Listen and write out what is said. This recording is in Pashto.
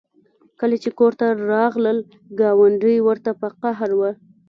کله چې کور ته راغلل ګاونډۍ ورته په قهر وه